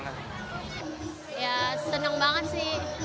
ya seneng banget sih